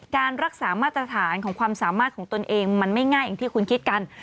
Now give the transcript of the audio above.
การรักษามาตรฐานของความสามารถของตนเองมันไม่ง่ายอย่างที่คุณคิดกัน